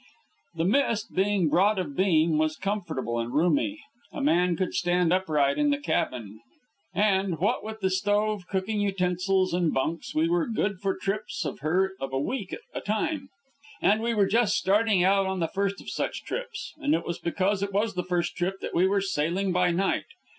The Mist, being broad of beam, was comfortable and roomy. A man could stand upright in the cabin, and what with the stove, cooking utensils, and bunks, we were good for trips in her of a week at a time. And we were just starting out on the first of such trips, and it was because it was the first trip that we were sailing by night.